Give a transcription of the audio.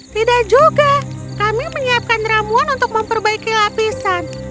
tidak juga kami menyiapkan ramuan untuk memperbaiki lapisan